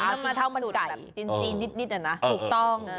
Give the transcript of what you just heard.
อ๋อมันมีมะเท้ามันไก่จีนนิดน่ะนะถูกต้อง